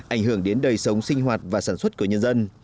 ảnh hưởng đến đời sống sinh hoạt và sản xuất của nhân dân